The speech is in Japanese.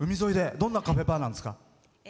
どんなカフェバーなんですか？